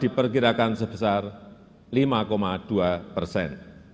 diperkirakan sebesar lima dua persen